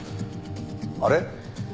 あれ？